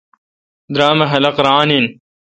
درام اؘ خلق ران این۔